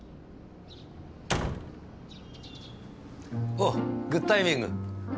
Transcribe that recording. おっグッドタイミング。